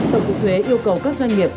tổng cục thuế yêu cầu các doanh nghiệp